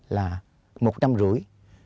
là một năm rưỡi